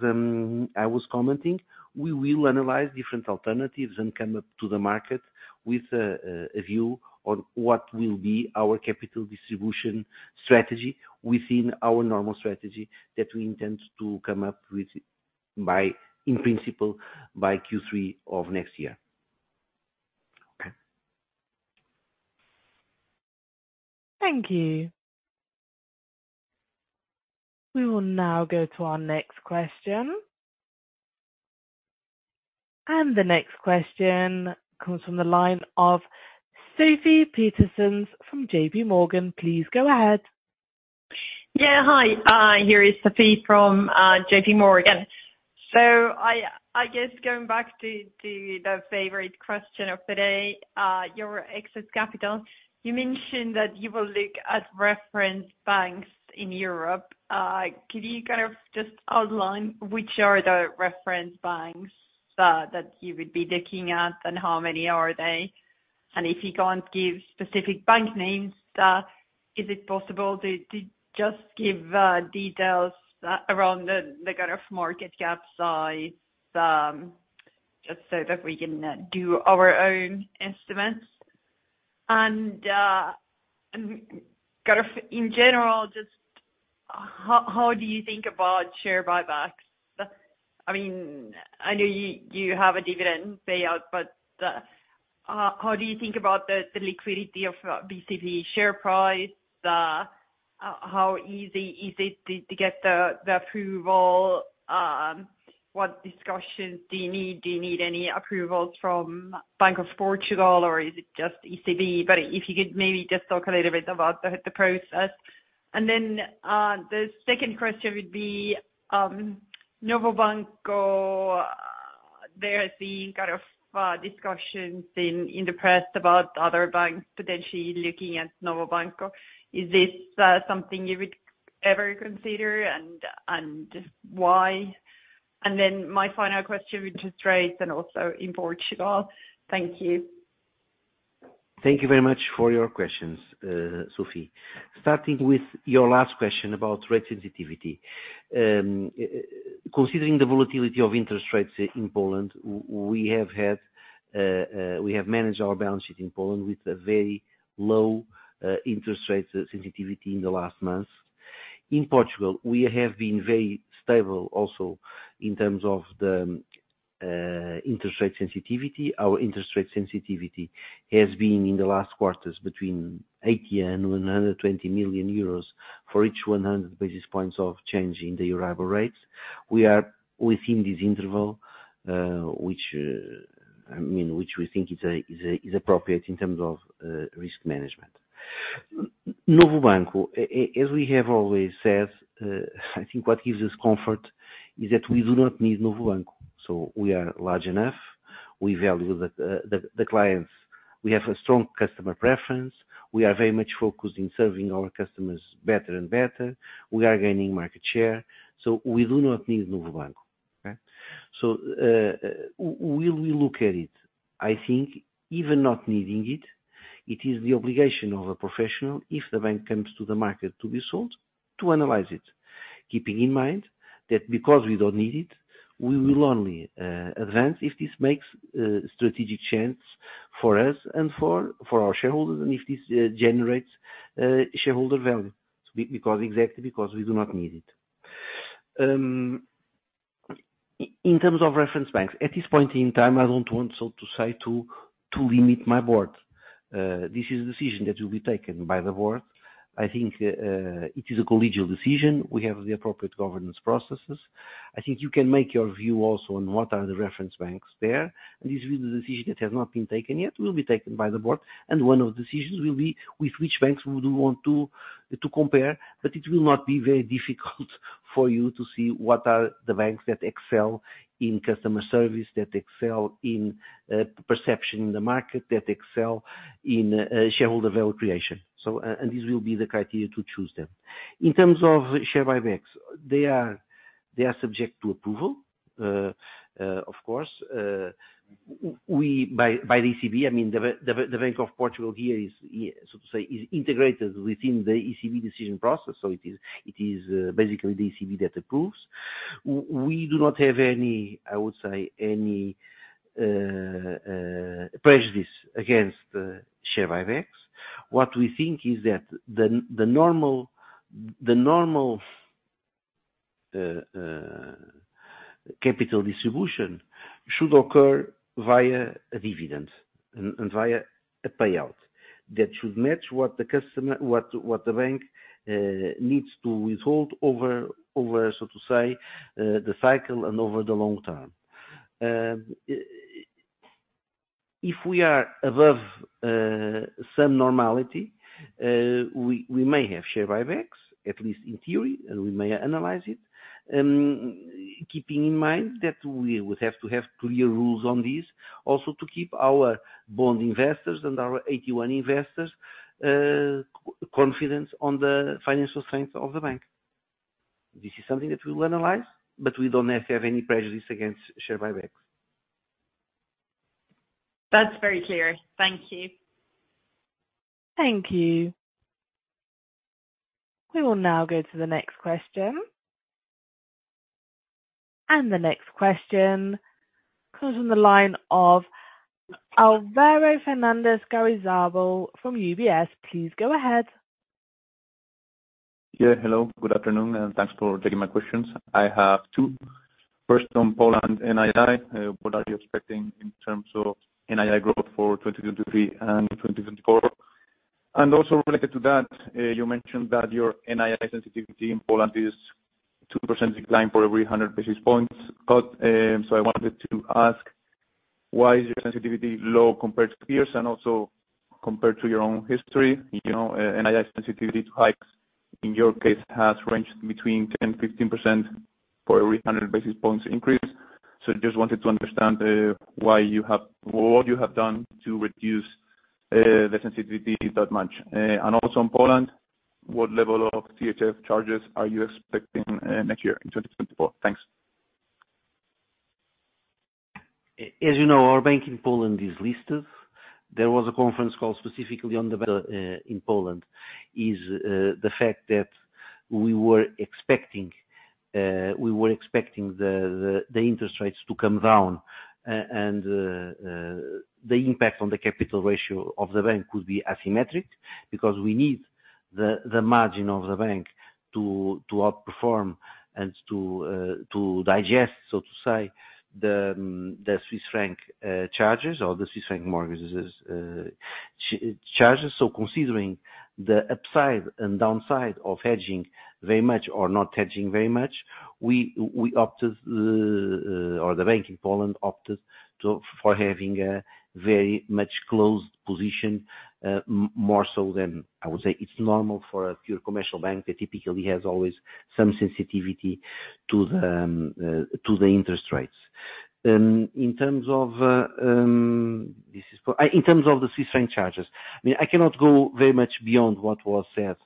I was commenting, we will analyze different alternatives and come up to the market with a view on what will be our capital distribution strategy within our normal strategy that we intend to come up with by, in principle, by Q3 of next year. Okay? Thank you. We will now go to our next question. The next question comes from the line of Sofie Peterzens from JPMorgan. Please go ahead. Yeah, hi. Here is Sofie from JPMorgan. So I guess going back to the favorite question of the day, your excess capital. You mentioned that you will look at reference banks in Europe. Can you kind of just outline which are the reference banks that you would be looking at, and how many are they? And if you can't give specific bank names, is it possible to just give details around the kind of market cap size, just so that we can do our own estimates? And kind of in general, just how do you think about share buybacks? I mean, I know you have a dividend payout, but how do you think about the liquidity of BCP share price? How easy is it to get the approval? What discussions do you need? Do you need any approvals from Bank of Portugal, or is it just ECB? But if you could maybe just talk a little bit about the process. And then, the second question would be, Novo Banco, there has been, kind of, discussions in the press about other banks potentially looking at Novo Banco. Is this something you would ever consider, and why? And then my final question, interest rates and also in Portugal. Thank you. Thank you very much for your questions, Sofie. Starting with your last question about rate sensitivity. Considering the volatility of interest rates in Poland, we have managed our balance sheet in Poland with a very low interest rate sensitivity in the last month. In Portugal, we have been very stable also, in terms of the interest rate sensitivity. Our interest rate sensitivity has been, in the last quarters, between 80 million and 120 million euros for each 100 basis points of change in the Euribor rates. We are within this interval, which I mean, which we think is appropriate in terms of risk management. Novo Banco, as we have always said, I think what gives us comfort is that we do not need Novo Banco, so we are large enough. We value the clients. We have a strong customer preference. We are very much focused in serving our customers better and better. We are gaining market share, so we do not need Novo Banco, okay? So, will we look at it? I think even not needing it, it is the obligation of a professional if the bank comes to the market to be sold, to analyze it. Keeping in mind that because we don't need it, we will only advance if this makes strategic sense for us and for our shareholders, and if this generates shareholder value, because exactly because we do not need it. In terms of reference banks, at this point in time, I don't want, so to say, to limit my board. This is a decision that will be taken by the board. I think it is a collegial decision. We have the appropriate governance processes. I think you can make your view also on what are the reference banks there, and this will be a decision that has not been taken yet, will be taken by the board, and one of the decisions will be with which banks we would want to compare. But it will not be very difficult for you to see what are the banks that excel in customer service, that excel in perception in the market, that excel in shareholder value creation. So, and this will be the criteria to choose them. In terms of share buybacks, they are subject to approval, of course, by the ECB. I mean, the Bank of Portugal here is, so to say, integrated within the ECB decision process, so it is basically the ECB that approves. We do not have any, I would say, any prejudice against share buybacks. What we think is that the normal capital distribution should occur via a dividend and via a payout, that should match what the customer, what the bank needs to withhold over, so to say, the cycle and over the long term. If we are above some normality, we may have share buybacks, at least in theory, and we may analyze it. Keeping in mind that we would have to have clear rules on this, also to keep our bond investors and our AT1 investors confidence on the financial strength of the bank. This is something that we'll analyze, but we don't have to have any prejudice against share buybacks. That's very clear. Thank you. Thank you. We will now go to the next question. The next question comes from the line of Alvaro Fernandez-Garayzabal from UBS. Please go ahead. Yeah, hello, good afternoon, and thanks for taking my questions. I have two. First, on Poland NII, what are you expecting in terms of NII growth for 2023 and 2024? And also related to that, you mentioned that your NII sensitivity in Poland is two percent decline for every 100 basis points. But, so I wanted to ask, why is your sensitivity low compared to peers, and also compared to your own history? You know, NII sensitivity to hikes, in your case, has ranged between 10%-15% for every 100 basis points increase. So just wanted to understand, why what you have done to reduce the sensitivity that much. And also in Poland, what level of CHF charges are you expecting, next year in 2024? Thanks. As you know, our bank in Poland is listed. There was a conference call specifically on the in Poland is the fact that we were expecting the interest rates to come down. And the impact on the capital ratio of the bank could be asymmetric, because we need the margin of the bank to outperform and to digest, so to say, the Swiss franc charges or the Swiss franc mortgages charges. So considering the upside and downside of hedging very much or not hedging very much, we, we opted, or the bank in Poland opted to, for having a very much closed position, more so than I would say, it's normal for a pure commercial bank, that typically has always some sensitivity to the, to the interest rates. In terms of, this is for— In terms of the Swiss franc charges, I mean, I cannot go very much beyond what was said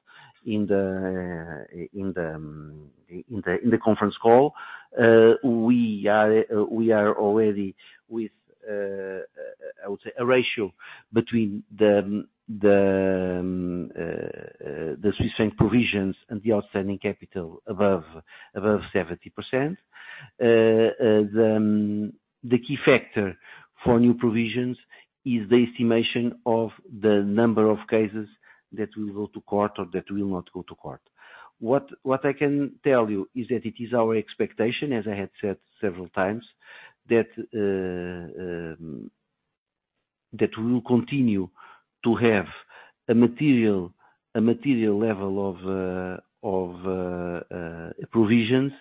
in the, in the, in the conference call. We are, we are already with, I would say, a ratio between the, the, the Swiss franc provisions and the outstanding capital above, above 70%. The key factor for new provisions is the estimation of the number of cases that will go to court or that will not go to court. What I can tell you is that it is our expectation, as I had said several times, that we will continue to have a material level of provisions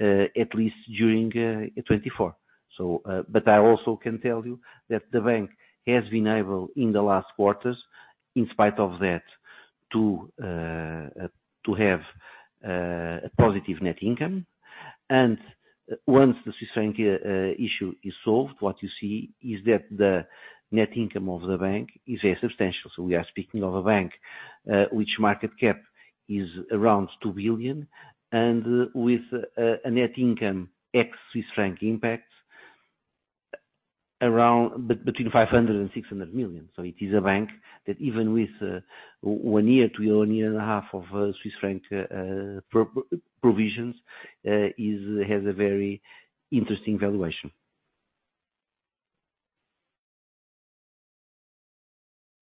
at least during 2024. So, but I also can tell you that the bank has been able, in the last quarters, in spite of that, to have a positive net income. And once the Swiss franc issue is solved, what you see is that the net income of the bank is very substantial. So we are speaking of a bank, which market cap is around 2 billion, and with a net income ex-Swiss franc impact, around between 500 million and 600 million. So it is a bank that even with one year to one year and a half of Swiss franc provisions, is has a very interesting valuation.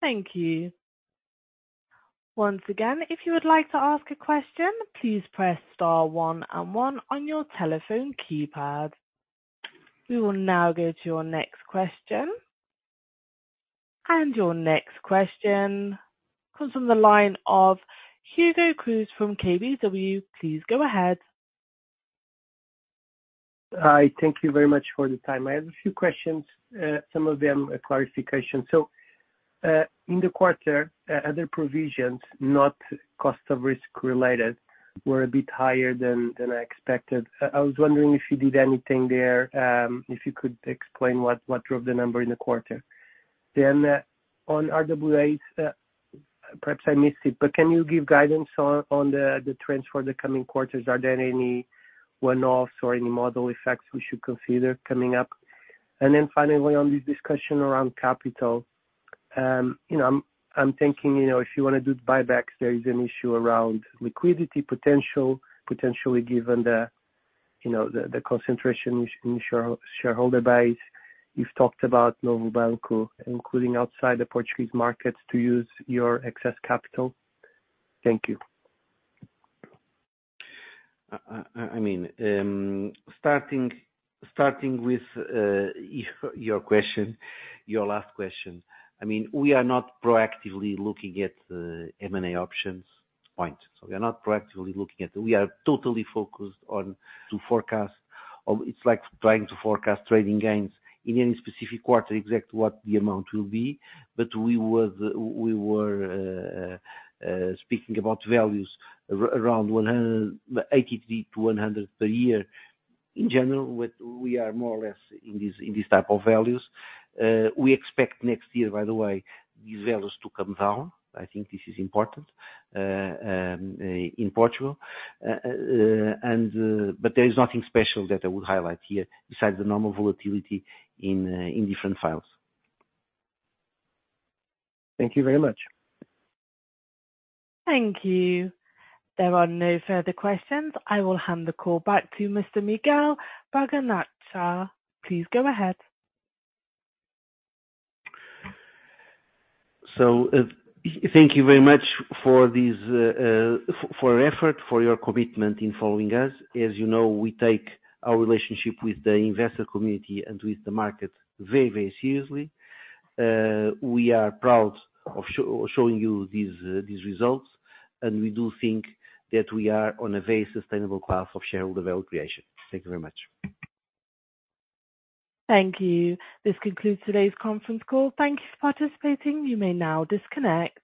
Thank you. Once again, if you would like to ask a question, please press star one and one on your telephone keypad. We will now go to our next question. Your next question comes from the line of Hugo Cruz from KBW. Please go ahead. Hi, thank you very much for the time. I have a few questions, some of them are clarification. So, in the quarter, other provisions, not cost of risk related, were a bit higher than I expected. I was wondering if you did anything there, if you could explain what drove the number in the quarter? Then, on RWAs, perhaps I missed it, but can you give guidance on the trends for the coming quarters? Are there any one-offs or any model effects we should consider coming up? And then finally, on this discussion around capital, you know, I'm thinking, you know, if you wanna do the buybacks, there is an issue around liquidity potential, potentially given the, you know, the concentration in shareholder base. You've talked about Novo Banco, including outside the Portuguese markets, to use your excess capital. Thank you. I mean, starting with your last question. I mean, we are not proactively looking at M&A options, point. So we are not proactively looking at it. We are totally focused on to forecast or it's like trying to forecast trading gains in any specific quarter, exactly what the amount will be. But we were speaking about values around 180-100 per year. In general, we are more or less in this type of values. We expect next year, by the way, these values to come down. I think this is important in Portugal. But there is nothing special that I would highlight here, besides the normal volatility in different files. Thank you very much. Thank you. There are no further questions. I will hand the call back to Mr. Miguel de Bragança. Please go ahead. So, thank you very much for this, for your effort, for your commitment in following us. As you know, we take our relationship with the investor community and with the market very, very seriously. We are proud of showing you these, these results, and we do think that we are on a very sustainable path of shareholder value creation. Thank you very much. Thank you. This concludes today's conference call. Thank you for participating. You may now disconnect.